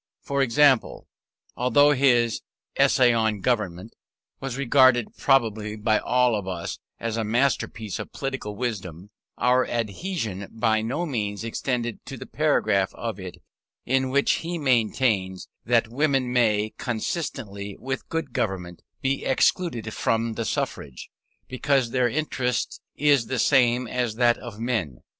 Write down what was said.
For example, although his Essay on Government was regarded probably by all of us as a masterpiece of political wisdom, our adhesion by no means extended to the paragraph of it in which he maintains that women may, consistently with good government, be excluded from the suffrage, because their interest is the same with that of men.